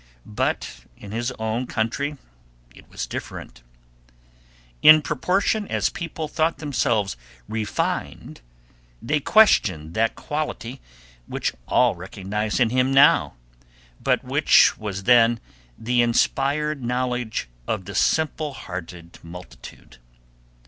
But in his own country it was different. In proportion as people thought themselves refined they questioned that quality which all recognize in him now, but which was then the inspired knowledge of the simple hearted multitude.